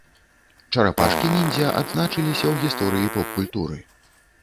Чарапашкі-ніндзя адзначыліся ў гісторыі поп-культуры.